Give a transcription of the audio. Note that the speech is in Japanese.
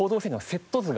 セット図。